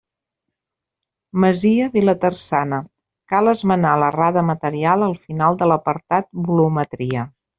Masia Vilaterçana: cal esmenar l'errada material al final de l'apartat Volumetria.